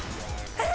えっ？